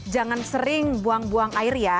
jangan sering buang buang air ya